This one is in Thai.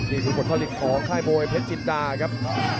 เป็นหนึ่งภาพฤติภาพของค่ายบวิเวรเผชจิัตราครับ